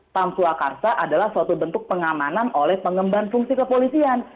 pam swakarsa adalah suatu bentuk pengamanan oleh pengemban fungsi kepolisian